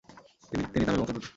তিনি তামিল বংশোদ্ভূত।